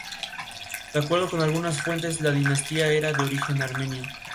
De acuerdo con algunas fuentes la dinastía era de origen armenio.